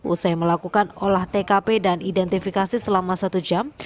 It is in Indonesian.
usai melakukan olah tkp dan identifikasi selama satu jam